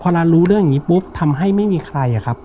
พอนั้นรู้เรื่องอย่างงี้ปุ๊บทำให้ไม่มีใครอ่ะครับ